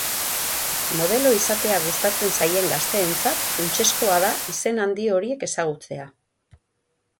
Modelo izatea gustatzen zaien gazteentzat funtsezkoa da izen handi horiek ezagutzea.